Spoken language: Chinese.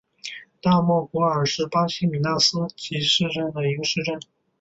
大莫古尔是巴西米纳斯吉拉斯州的一个市镇。